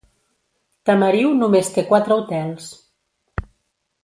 Tamariu només té quatre hotels.